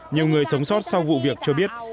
nhiều người sống sót sau vụ việc cho biết